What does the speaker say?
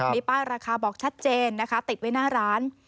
มีป้ายราคาบอกชัดเจนนะคะติดไว้หน้าร้าน